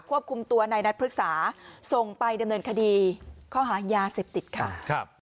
ควบคุมตัวในนัดพฤกษาส่งไปดำเนินคดีข้อหายาเสพติดค่ะ